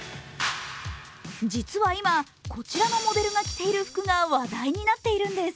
実は今、こちらのモデルが着ている服が話題になっているんです。